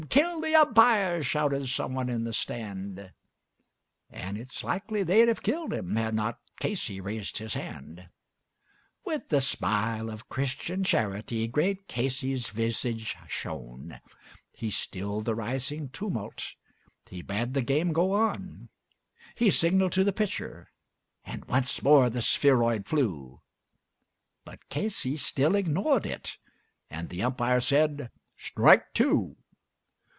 kill the Umpire!" shouted some one from the stand And it's likely they'd have done it had not Casey raised his hand. With a smile of Christian charity great Casey's visage shone, He stilled the rising tumult and he bade the game go on; He signalled to the pitcher and again the spheroid flew, But Casey still ignored it and the Umpire said "Strike two."